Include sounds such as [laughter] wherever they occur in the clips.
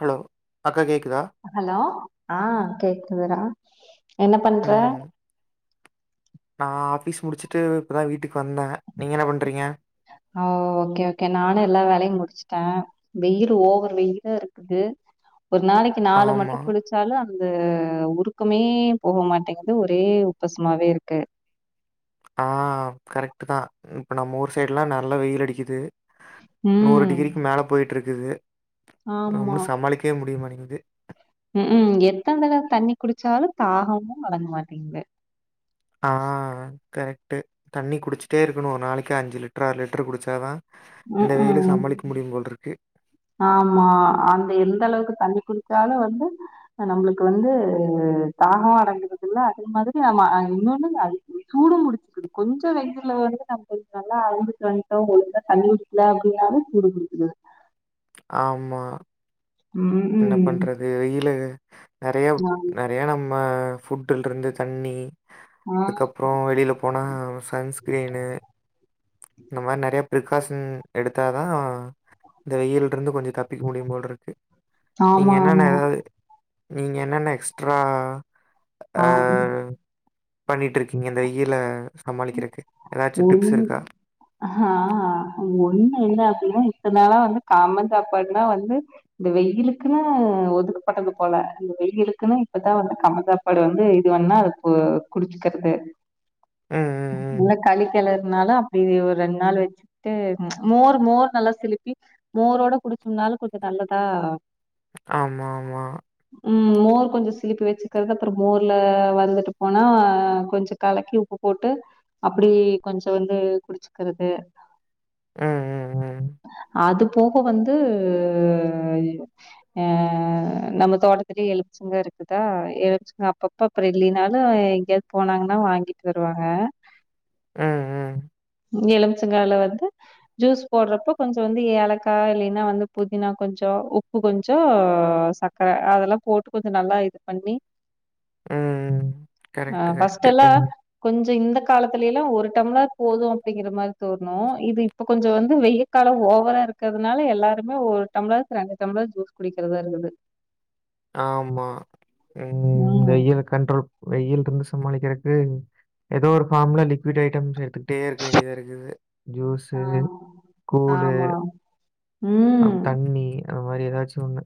Hello அக்கா கேக்குதா hello ஆ கேக்குதுடா என்ன பண்ற நா ஆஃபீஸ் முடுச்சுட்டு இப்ப தா வீட்டுக்கு வந்தே நீங்க என்ன பண்றீங்க ஓ ஓகே ஓகே நானு எல்லா வேலையு முட்ச்சுட்டே வெயிலு ஓவர் வெயிலா இருக்குது ஒரு நாளைக்கி நாலு ஆமா. மட்டு குளிச் ச்சாலு அந்த உருக்கமே போக மாட்டேங்குது ஒரே உப்பஸ்மாவே இருக்கு ஆ கரெக்ட் தா இப்போ நம்ம ஊர் சைட்லா நல்லா வெயில் அடிக்குது நூறு ம் டிகிரிக்கி மேல போயிட்டு ருக்குது ஆமா நம்மளு சமாளிக்கவே முடியமாட்டேங்குது எத்தன தடவ தண்ணி குடிச்சாலு தாகமு அடங்க மாட்டேங்குது ஆ கரெக்ட்டு தண்ணி குடிச்சிட்டே இருக்கணு ஒரு நாளைக்கி அஞ்சு லிட்ரு ஆறு லிட்ரு குடிச்சாதா ம் இந்த வெயிலு ம் சமாளிக்க முடியு போல்ருக்கு ஆமா அந்த எந்த அளவுக்கு தண்ணி குடிச்சாலு வந்து நம்ளுக்கு வந்து தாகமு அடங்குது இல்ல அதே மாதிரி நம்ம அ இன்னொன்னு அ சூடு முடிச்சுக்குது கொஞ்சோ வெயில்ல வந்துட்டு நம்ம நல்லா அழஞ்சுட்டு வந்ட்டோ ஒழுங்கா தண்ணிய இல்ல அப்டின்னாலும் சூடு புடிகலா ஆமா ம் என்ன ம் பண்றது வெயிலு நெறையா தே நம்ம ஃபுட்டுல்ருந்து தண்ணி ஆ அதுக்கப்றோ வெளில போனா சன்ஸ்கிரீனு இந்த மாரி நெறையா ப்ரிகாஷன் எடுத்தா தான் இந்த வெயில்ருந்து கொஞ்சோ தப்பிக்க முடியும் போல்ருக்கு நீங்க ஆமா ஆமா ஆமா. என்னன்ன ஏதாவது நீங்க என்னன்ன எக்ஸ்ட்ரா ஆமா பண்ணிட் இருக்கீங்க இந்த வெயில சமாளிக்கிறக்கு ஏதாச்சும் டிப்ஸ் ஒன்னு இருக்கா? ஹா ஒண்ணு என்ன அப்டின்னா இத்தனாளா வந்து காமன் சாப்பாடுனா வந்து இந்த வெயிலுக்குன்னு ஒதுக்கப்பட்டது போல இந்த வெயிலுக்குன்னு இப்பதா வந்து கமதா ப்படு வந்து இது வேண்ணா அது குடிச்சக்றது [inaudible] ம், ம், ம். உனக் களி கிளறனாலு அப்டி ஒரு ரெண்டு நாள் வெச்சுட்டு மோர் மோர் நல்லா சிலுப்பி மோரோட குடிச்சோம்னாலு கொஞ்ச நல்லதா ஆமா ஆமா ம் மோர் கொஞ்ச சிலிப்பி வெச்சிக்ரது அப்ற மோர்ல வந்துட்டு போனா கொஞ்ச கலக்கி உப்பு போட்டு அப்டி கொஞ்ச வந்து குடிச்சுக்றது ம் ம் ம் அது போக வந்து ஆ நம்ம தோட்டத்துலேயே எலும்ச்சங்க இருக்குதா எலச்சங்க அப்பப்ப அப்ற இல்லினாலு எங்கேயாவது போனாங்கன்னா வாங்கிட்டு வருவாங்க ம் ம் எழும்ச்சங்கால வந்து ஜூஸ் போட்றப்போ கொஞ்ச வந்து ஏலக்கா இல்லைன்னா வந்து புதினா கொஞ்ச உப்பு கொஞ்ச சக் கர அதெல்லா போட்டு கொஞ்ச நல்லா இது பண்ணி ம் கரெக்டு கரெக்டு ம் கொஞ்ச இந்த காலத்துல்லா ஒரு டம்ளர் போது அப்டிங்ற மாரி தோணு இது இப்போ கொஞ்ச வந்து வெய்ல் கால ஓவரா இருக்கிதுனால எல்லாருமே ஒரு டம்ளரக்கு ரெண்டு டம்ளர் ஜூஸ் குடிக்கிறதா இருக்குது ஆமா ம் இந்த ம் வெயல கண்ட்ரோல் வெயில் இருந்து சமாளிக்கிறக்கு ஏதோ ஒரு ஃபார்ம்ல லிக்விட் ஐட்டம்ஸ் எடுத்து டே இருக்க வேண்டியதா இருக்குது ஜூஸு ஆமா கூளு ஆமா அப் ம் தண்ணி அந்த மாரி ஏதாச்சு ஒண்ணு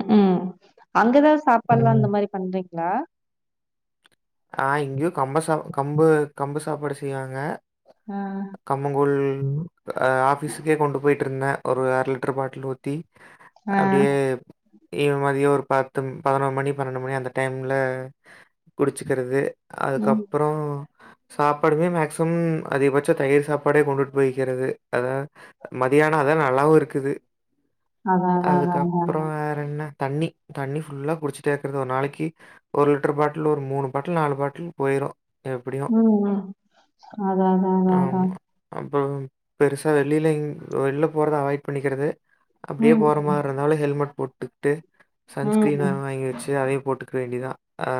ம் அங்க எதா சாப்பாட்ல்லா ம். அந்த மாரி பண்றீங்ளா ஆ இங்கேயு கம்ப சா கம்பு கம்பு சாப்பாடு செய்வாங்க அ கம்மங்கோல் ஆஃபிஸுக்கே கொண்டு போய்ட்டு இருந்தே ஒரு அர லிட்டர் பாட்டில் ஊத்தி ஆ. அப்டியே இவ மதிய ஒரு பத்து பதினொரு மணி பன்னெண்டு மணி அந்த டைம்ல குடிச்சக்கிறது ம். அதுக்கப்றோ சாப்பாடுமே மேக்சிமம் அதிக பட்சம் தயிர் சாப்பாடே கொண்டுட்டு போய்க்கிறது அதா மதியான அதா நல்லாவு இருக்குது அதான் அதான் அதான் அதுக்கப்ற அதான். வேற என்ன தண்ணி தண்ணி ஃபுல்லா குடிச்சுட்டே இருக்கறது ஒரு நாளைக்கி ஒரு லிட்டர் பாட்டுல் ஒரு மூனு பாட்டுல் நாலு பாட்டுல் போயிரு ம் ம் அதா அதா அதா அதா அப்பறம் பெருசா வெளில இங் வெளில போரத அவாய்ட் பண்ணிக்கறது அப்படியே ம், போற மார் இருந்தாலு ஹெல்மெட் போட்டுக்ட்டு ம். ம். சன்ஸ்கிரீனர் வாங்கி வெச்சு அதே போட்டுக் வேண்டிதா அ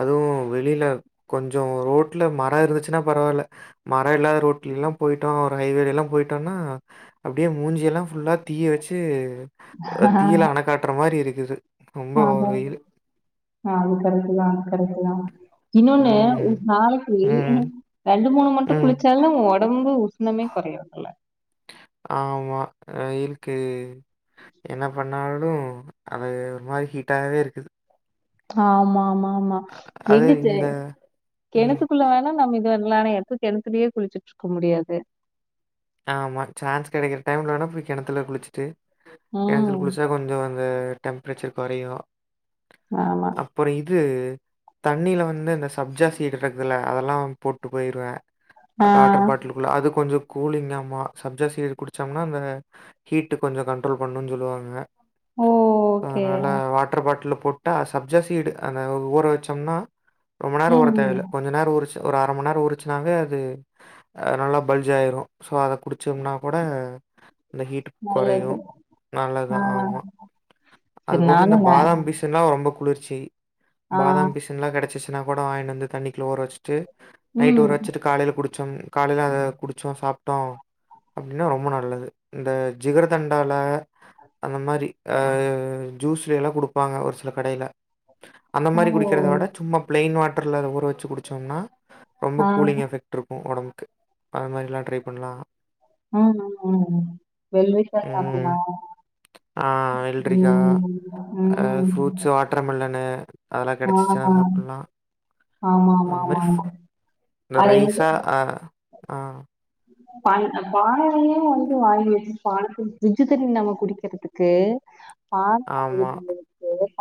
அதுவு வெளில கொஞ்சோ ரோட்ல மர இருந்துச்சுன்னா பரவால்ல மர இல்லாத ரோட்லிலா போயிட்டோ ஒரு ஹைவேலலா போயிட்டோனா அப்டியே மூஞ்சி எல்லா ஃபுல்லா தீய வெச்சு தீய்ல அண காட்டற மாரி இருக்குது ரொம்ப அதா ஒரு அதா வெயில். ஆ அது கரக்ட்டுதா கரக்ட்டுதா இன்னோன்னு ம், நாளைக்கு ம், ரெண்டு மூணு மட்டு ம். குளிச்சாலு ஒடம்பு உஷ்ணமே கொறையறதுல்ல ஆமா அ இருக்கு என்ன பண்ணாலு அது ஒரு மாரி ஹீட்டாவே இருக்குது ஆமா ஆமா ஆமா அது எங்க இந்த ம். கெணத்துக்குள்ள வேணா நம்ம இது [unintelligible] த்து கெணத்துலே குளிச்சுட்டுருக்க முடியாது ஆமா சான்ஸ் கெடைக்கற டைம்ல வேணா போய் கெணத்துல குளிச்சுட்டு கெணத்துல ம். குளிச்சா கொஞ்சோ அது டெம்ப்ரேச்சர் கொறையு ஆமா அப்பறோ இது தண்ணீல வந்து இந்த சப்ஜா சிடுருகுதுல்ல அதல்லா போட்டு போயிருவ ஆ. வாட்டர் பாட்டுலுக்குள்ள அது கொஞ்சோ கூலிங்காமா சப்ஜா சீட் குடிச்சம்ன்னா அந்த ஹீட்டு கொஞ்சோ கண்ட்ரோல் பண்ணுன் சொல்லுவாங்க ஓ! So okay. அதனால வாட்டர் பாட்டுல்ல போட் டா சப்ஜா சீடு அந்த ஊற வச்சம்ன்னா ரொம்ப நெரோ ஊற ம். தேவயில்ல கொ ஞ்ச நெரோ ஊருச்சு ஒரு அர மண் நேரோ ஊருச்சுனாவே அது நல்லா பல்ஜ் ஆயிரு ஸோ அத குடிச்சம்ன்னா கூட அந்த ஹீட் கொறையூ நல்லது. ஆ. நல்லதுதா ஆமா சரி அதுபோக இந்த நானும் நா பாதம், பிஸ் ஸுன்னா ரொம்ப குளிர்ச்சி ஆ. பாதாம் பிஸ் எல்லா கெடச்சிச்சுன்னா கூட வாயின்ட் வந்து தண்ணிகுள்ள ஊற வச்ட்டு நைட் ம். ஊற வச்சுட்டு காலையில குடிச்சோன் காலையில அத குடிச்சோ சாப் ட்டோ அப்டின்னா ரொம்ப நல்லது இந்த ஜிகர தண்டால அந்த மாரி அ ஜூஸ்லைலா குடுப்பாங்க ஒரு சில கடையில அந்த ஓ! மாரி குடுக்கறத விட சும்மா பிளைன் வாட்டர்ல அத ஊற வச்சு குடிச்சம்ன்னா ரொம்ப ஆ. கூலிங் எஃபெக்ட் ட்ருப்போ ஓடம்புக்கு அது மாரிலா ட்ரை பண்லா ம் ம் ம் [unintelligible] ஆ வெல்ரிக்கா, ம் ம் ட்டர் மில்லன்னு அதெல்லா ஆ. கெடச்சிச்சுனா சாப்பல்லா அந்த மாரி ஆமாமாமாமா. ஃப் இந்த ரைஸா அ ஆ ப [unintelligible] வந்து வாங்கி வெச் [unintelligible] பிரிட்ஜ்ஜு தண்ணி நம்ம குடிக்கறத்துக்கு பான [inaudible] ஆமா. [unintelligible]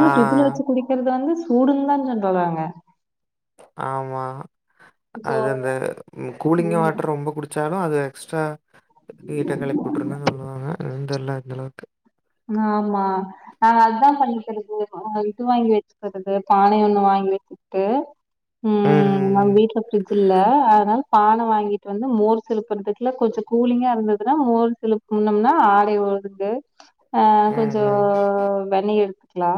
ஆ பிரிட்ஜ்ஜுல வச்சு குடிக்கறது வந்து சூடுன் தா சொன்டறாங்க ஆமா சோ அது அந்த கூலிங் ம். வாட்டர் ரொம்ப குடி ச்சாலு அது எக்ஸ்ட்ரா ஹீட்ட கெலப்பியூட்ருன் தா சொல்லுவாங்க அதூ தெர்ல எந்த அளவுக்கு ஆமா நாங்க அதா பண்ணிக்கறது இது வாங்கி வெச்கறது பானை ஒண்ணு வாங்கி வெச்சு டு ம் நம் வீட்ல பிரிஜ் இல்ல அதனால பால வாங்கிட்டு வந்து மோர் சிலுப்புறதுக்குல்ல கொஞ்சோ கூலிங்கா இருந்ததுன்னா மோர் சிலுப் முன்னன்னா ஆடை வருது ஆ ம். ம், கொஞ்சோ ம். வெண்ணெய் எடுத்துக்கலா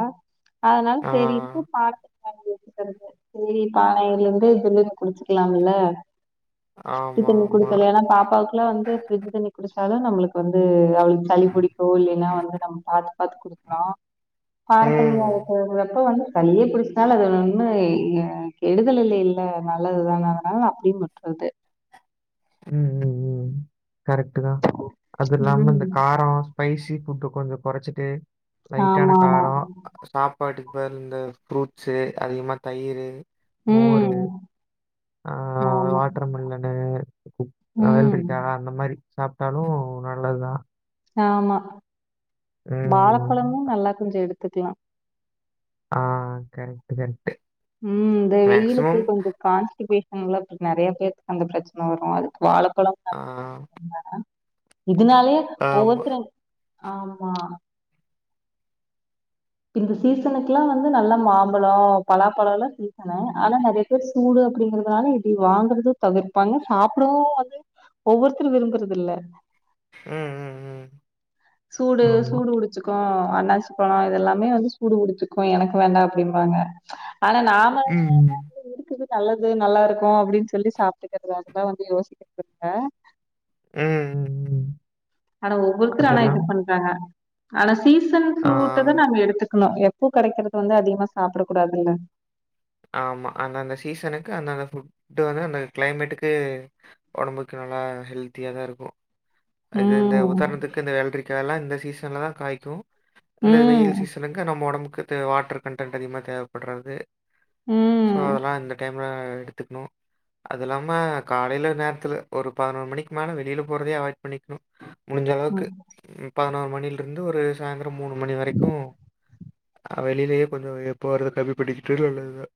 அதனால ஆ செரின்ட்டு பாத்து கடஞ்சி வச்சிட்டு வந்தே சேரி பானைல இருந்து இதுலருந்து குடிச்சிக்கலாம்ல்ல ஆமா, பச்சத்தண்ணி ஆமா. குடுக்கல ஏன்னா பாப்பாக்கு இப்பெல்லா வந்து பிரிட்ஜ் தண்ணி குடிச்சாலே நம்மளுக்கு வந்து எதாது சளி புடிக்கு இல்லைனா வந் அது நம்ம பாத்து பாத்து குடுக்கலா பானத் தண்ணியா ம். இப்ப அது எப்ப வந்து சளியே பிடிச்சிச்சினாலு அதுல ஒண்ணு கெடுதல் இல்லைல்ல நல்லதுதான அதனால நா அப்டியே வுட்டுர்றது ம் ம் ம் கரெக்ட் தா அது இல்லாம இந்த ம் காரோ ஸ்பைசி ஃபுட்டு் கொஞ்சோ கொறச்சிட்டு லைட்டான ஆமா ஆமா காரோ சாப்பாட்டுக்கு பதிலா இந்த ஃப்ரூட்ஸு அதிகமா தயிரு, மோரு ம் ஆ ஆமா வாட்டர் மெலனு ம் வெள்ரிக்கா அந்த மாரி சாப்ட்டாலு நல்லதுதா ஆமா ம் வாழப்பழமு நல்லா கொஞ்சோ எடுத்துக்கலா ஆ கரெக்ட் கரெக்ட் ம் இந்த வெயில்க்கு மேக்ஸிமம் கொஞ்சோ கான்ஸ்டிபே ஷன்னால நெறையா பேத்துக்கு அந்த பிரச்சன வரு அதுக்கு வாழப்பழம் ஆ ஆமா இதுனாலயே ஒவ்வொருத்தரு ஆமா இந்த சீசனுக்குல்லா வந்து நல்லா மாம்பழோ பலாப்பழோல்லா சீசனு ஆனா நெறைய பேர் சூடு அப்டிங்கிறதுனால இதே வாங்கறதே தவிர்ப்பாங்க சாப்டவு வந்து ஒவ்வொருத்தரு விரும்புறது இல்ல ம் ம் ம் சூடு ஆமாம் சூடு புடிச்சிக்கு அண்ணாசி பழம் இதெல்லாமே வந்து சூடு புடிச்சுக்கு எனக்கு வேண்டா அப்டிம்பாங்க ஆனா நாம ம் வேணா ம் சேரி இருக்குது நல்லது நல்லா இருக்கு அப்டின்னு சொல்லி சாப்ட்டுக்கிறது அதெல்லா வந்து யோசிக்கிறது இல்ல ம் ம் ம் ஆனா ஒவ்வொருத்தரு ஆனா இப்டி அதெல்லாம் பண்றாங்க ஆனா சீசன் ஃப்ரூட் ஆ தா நாங்க எடுத்துக் கணு எப்பவு கெடைக்கிறத வந்து அதிகமா சாப்ட கூடாதுங்க ஆமா அந்தந்த சீசனுக்கு அந்தந்த ஃபுட்டு் வந்து அந்த கிளைமேட்டுக்கு ஒடம்புக்கு நல்லா ஹெல்தியாதா இருக்கு அது இந்த ம் உதாரணத்துக்கு இந்த வெள்ரிக்காயல்லா இந்த சீசன்லதா காய்க்கு இந்த வெயில் ம் சீசனுக்கு நம்ம ஒடம்புக்கு தே வாட்டர் கன்டன்ட் அதிகமா தேவப்பட்றது ம் சோ அதெல்லா இந்த டைம்ல எடுத்துக்கணு அது இல்லாம காலேல நேரத்துல ஒரு பதுனொரு மணிக்கி மேல வெளில போறதே அவாய்ட் பண்ணிக்கணு முடிஞ்ச அளவுக்கு ம் பதினொரு மணில இருந்து ஒரு சாய்ந்தரோ மூணு மணி வரைக்கு ஆ வெளிலயே கொஞ்சோ போறத கம்மி பண்ணிக்கிட்டா நல்லதுதா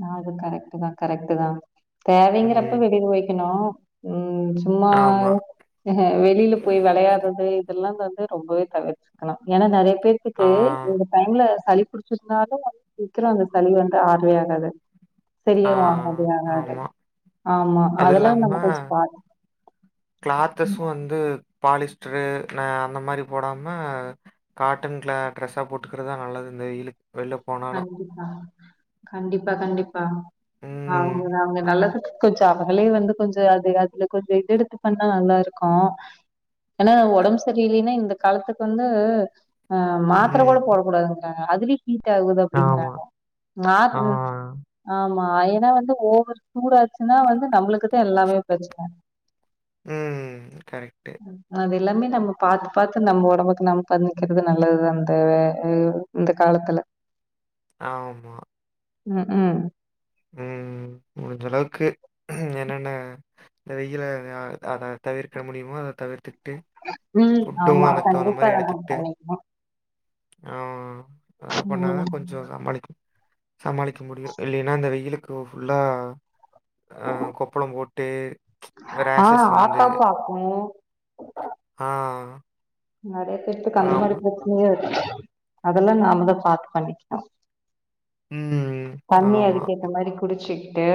நா அது கரெக்ட் தா கரெக்ட் தா தேவைங்கிறப்ப ம். வெளில போய்க்கணு ம் சும்மா ஆமா. வெளில போய் வெளையாட்றது இதெல்லா வந்து ரொம்பவே தவிர்த்துக்கணு ஏன்னா நெறையப் பேத்துக்கு ஆ. இந்த டைம்ல சளி புடிச்சிர்சினாலு அது சீக்கிரோ அந்த சளி வந்து ஆர்வே ஆறாது ஆ சரியே ஆகாது ஆகாது ஆமா. ஆமா அதெல்லா நம்ம கொஞ்சோ பாத் கிளாத்தசு வந்து பாலிஸ்டரு ந அந்த மாரி போடாம காட்டன் கில ட்ரெஸ்ஸா போட்டுக்குறதுதா நல்லது இந்த வெயிலுக் கண்டிப்பா கண்டிப்பா கண்டிப்பா அவங்க ம், அவங்க நல்லதுக்கு கொஞ்சோ அவங்களே வந்து கொஞ்சோ அது அதுல கொஞ்சோ இது எடுத்து பண்ணா நல்லாருக்கு ஏனா ஒடம்பு சரி இல்லீன்னா இந்த காலத்துக் வந்து ஆ மாத்துர கூட போட ம். கூடாதுங்றாங்க அதுலையே ஹீட் ஆகுது ஆமா. அப்டிங்குறாங்க ஆ. மாத் ஆமா ஏனா வந்து ஓவர் சூடாச்சுன்னா வந்து நம்மளுக்குதா எல்லாமே ப்ரச்சன உம் கரெக்ட்டு அது எல்லாமே நம்ம பாத்து பாத்து நம்ம ஒடம்புக்கு நம்ம பண்ணிக்குறது நல்லது தான தெவ இந்த காலத்துல ஆம்மா உம் உம் உம் முடிஞ்ச அளவுக்கு ம் என்னென்ன இந்த வெயில அத தவிர்க்க முடியுமோ அத தவிர்த்துட்டு ம் ஃபுட்டு ஆமா அதுக் தகுந்த கண்டிப்பா மாரி அத நம்ம எடுக்திட்டு பண்ணிக்கணு ஆமா அதெல்லா பண்ணாங்க ம் கொஞ் சோ சமாளிக்க சமாளிக்க முடியு இல்லைன்னா இந்த வெயி வெயிலுக்கு ஃபுல்லா அ கொப்பளம் போட்டு ஆ ரேஷஸ் வந்து ஆத்தா பாக்கு ஆ நெறைய பேத்துக்கு அந்த மாதிரி ஆமா. ப்ரச்சனையே இருக்கு அதெல்லா நாமதா பாத்து பண்ணிக்கலா ம். தண்ணி ஆமா. அதுக்கேத்த மாரி குடிச்சிக்ட்டு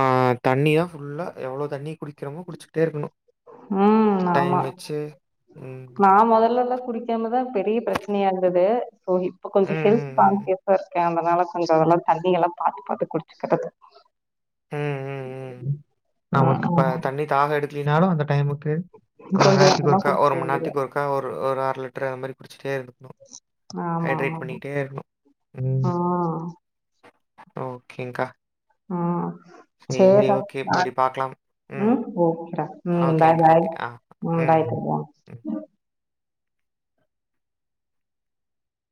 ஆஹ தண்ணி தா ஃபுல்லா எவ்வளவு தண்ணி குடிக்கிறமோ குடிச்சிட்டே இருக்கணு ம் ஆமா ம். நா முதல்லல்லா குடிக் காமதா பெரிய ப்ரச்சனையா இருந்தது சோ இப்ப ம், கொஞ்ச ஹெல்த் ம், ம். கான்சியா இருக்கே அதனால கொஞ்சோ அதெல்லா தண்ணியல்லா பாத்து பாத்து குடிச்சுக்கறது ம் ம் ம் ம் நமக்கு இப்ப ம் தண்ணி தாக எடுக்கிலினாலு அந்த டைமுக்கு இவ்ள கொஞ்சோ நேரத்துக்கு கொஞ்சமா ஒருக்கா குடிக்க ஒரு வேண்டியது மண்நேரத்துக்கு ஒருக்கா ஒரு அரலிட்டரு அந்த மாரி குடிச்சிட்டே இருக்கனு ஆமா ஆமா ஹைட்ரேட் பண்ணிட்டே இருக்னு ம் ஓகேங்க்கா ம் சேர் சரி டா ஓகே. ஆ மறுபடியும் பார்க்கலாம். ம் ஓகே டா ம் பாய் ஓகேங்க. Bye okay. ஆ ம் பாய் [unintelligible] ம்.